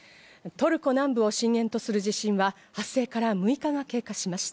トルコ南部を震源とする地震は発生から６日が経過しました。